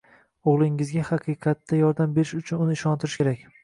O‘g‘lingizga haqiqatda yordam berish uchun uni ishontirish kerak.